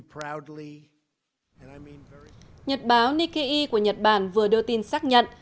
nhật báo nikki của nhật bản vừa đưa tin xác nhận